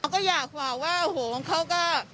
ก็อยากฝากว่าเฮ้าะเขาก็